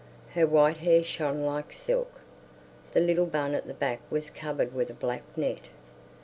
Her white hair shone like silk; the little bun at the back was covered with a black net.